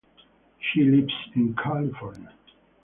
She lives in California.